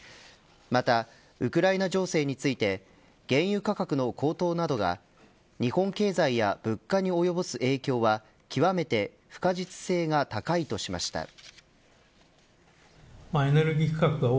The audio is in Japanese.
また、ウクライナ情勢について原油価格の高騰などが日本経済や物価に及ぼす影響は極めて不確実性が高いとしました。